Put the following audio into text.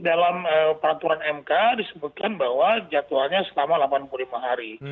dalam peraturan mk disebutkan bahwa jadwalnya selama delapan puluh lima hari